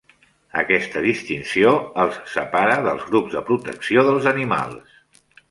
Aquesta distinció els separa dels grups de protecció dels animals.